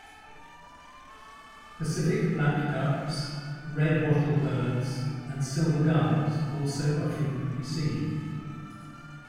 Pacific black ducks, red wattle birds, and silver gulls also are frequently seen.